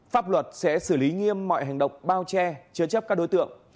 pháp luật sẽ xử lý nghiêm mọi hành động bao che chứa chấp các đối tượng